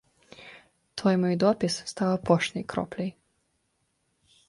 Той мой допіс стаў апошняй кропляй.